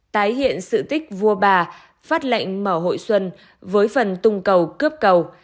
tái hiện sự tích vua bà phát lệnh mở hội xuân với phần tung cầu cướp cầu